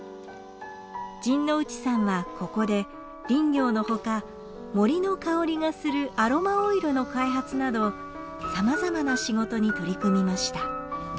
陣内さんはここで林業のほか森の香りがするアロマオイルの開発など様々な仕事に取り組みました。